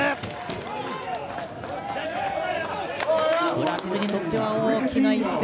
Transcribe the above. ブラジルにとっては大きな１点。